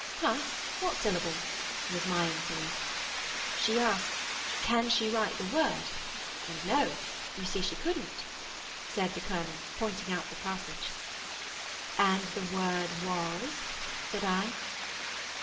'Hah! What syllable?' was my inquiry. 'She asks, can she write the word? And no; you see she couldn't,' said the colonel, pointing out the passage. 'And the word was?' said I.